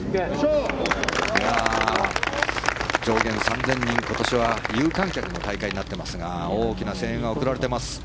上限３０００人今年は有観客の大会になっていますが大きな声援が送られています。